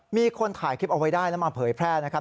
มีคนถ่ายคลิปเอาไว้ได้แล้วมาเผยแพร่นะครับ